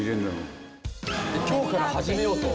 今日から始めようと。